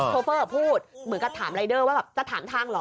โฟเฟอร์พูดเหมือนกับถามรายเดอร์ว่าแบบจะถามทางเหรอ